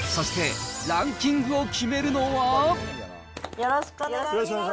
そして、よろしくお願いします。